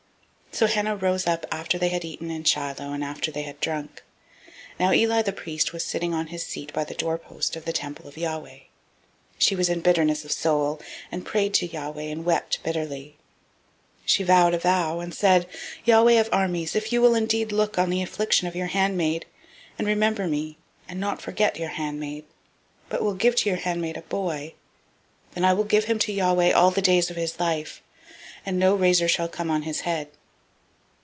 001:009 So Hannah rose up after they had eaten in Shiloh, and after they had drunk. Now Eli the priest was sitting on his seat by the doorpost of the temple of Yahweh. 001:010 She was in bitterness of soul, and prayed to Yahweh, and wept sore. 001:011 She vowed a vow, and said, Yahweh of Armies, if you will indeed look on the affliction of your handmaid, and remember me, and not forget your handmaid, but will give to your handmaid a boy, then I will give him to Yahweh all the days of his life, and there shall no razor come on his head.